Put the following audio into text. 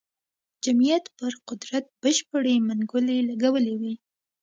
جمعیت پر قدرت بشپړې منګولې لګولې وې.